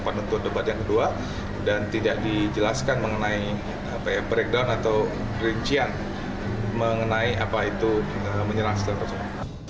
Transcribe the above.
saya penuntut debat yang kedua dan tidak dijelaskan mengenai breakdown atau gerincian mengenai apa itu menyerang setelah itu